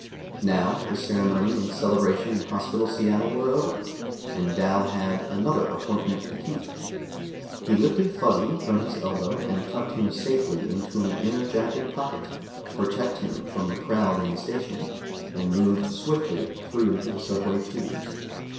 Now the ceremony and celebration in Hospital Seattle were over, and Dal had another appointment to keep. He lifted Fuzzy from his elbow and tucked him safely into an inner jacket pocket to protect him from the crowd in the station, and moved swiftly through to the subway tubes.